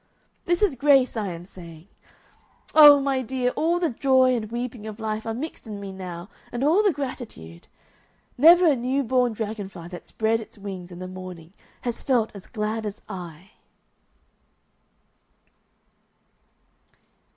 This is grace I am saying! Oh! my dear! all the joy and weeping of life are mixed in me now and all the gratitude. Never a new born dragon fly that spread its wings in the morning has felt as glad as I!"